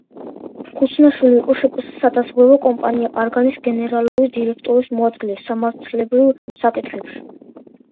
ქუცნაშვილი იყო შპს სადაზღვევო კომპანია „არგანის“ გენერალური დირექტორის მოადგილე სამართლებრივ საკითხებში.